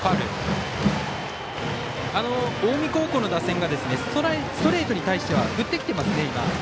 近江高校の打線がストレートに対しては振ってきていますね。